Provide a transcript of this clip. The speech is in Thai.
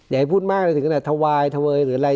อย่าให้พูดมากเลยถึงขนาดถวายทะเวยหรืออะไร